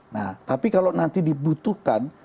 nah tapi kalau nanti dibutuhkan